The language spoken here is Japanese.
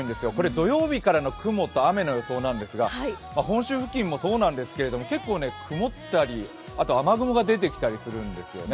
土曜日からの雲と雨の予想なんですけど本州付近もそうなんですけど、結構曇ったりあと雨雲が出てきたりするんですよね。